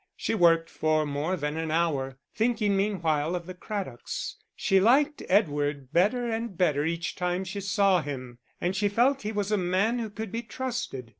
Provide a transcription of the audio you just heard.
She worked for more than an hour, thinking meanwhile of the Craddocks; she liked Edward better and better each time she saw him, and she felt he was a man who could be trusted.